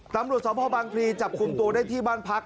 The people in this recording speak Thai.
ตำรวจสพบางพลีจับกลุ่มตัวได้ที่บ้านพัก